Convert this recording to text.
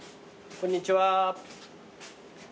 こんにちは。